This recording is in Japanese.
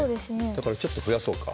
だからちょっと増やそうか。